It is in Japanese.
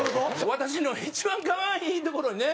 「わたしの一番、かわいいところに」ね。